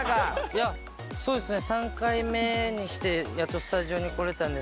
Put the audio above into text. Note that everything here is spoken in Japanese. いやそうですね。